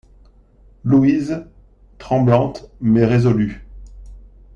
LOUISE, tremblante, mais résolue.